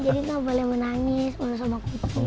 jadi gak boleh menangis malu sama kucing